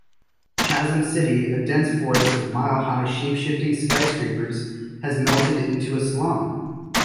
Chasm City, a dense forest of mile-high shapeshifting skyscrapers, has melted into a slum.